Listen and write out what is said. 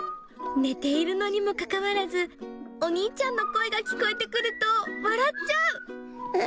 寝ているのにもかかわらず、お兄ちゃんの声が聞こえてくると笑っちゃう。